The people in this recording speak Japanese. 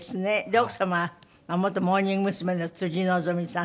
奥様は元モーニング娘。の辻希美さん。